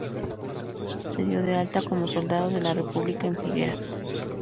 Se dio de alta como soldado de la República en Figueras.